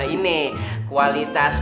ini kualitas pendek